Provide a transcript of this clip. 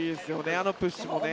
あのプッシュもね。